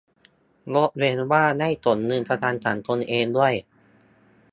ยกเว้นว่าได้ส่งเงินประกันสังคมเองด้วย